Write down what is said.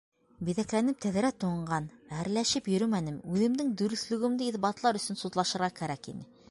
Биҙәкләнеп тәҙрә туңған. Әрләшеп йөрөмәнем, үҙемдең дөрөҫлөгөмдө иҫбатлар өсөн судлашырға кәрәк ине.